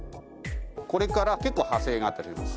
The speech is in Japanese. これから結構派生があったりします。